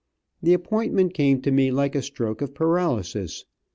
The appointment came to me like a stroke of paralysis.